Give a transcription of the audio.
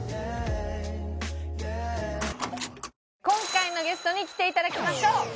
今回のゲストに来て頂きましょう。